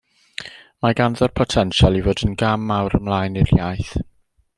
Mae ganddo'r potensial i fod yn gam mawr ymlaen i'r iaith.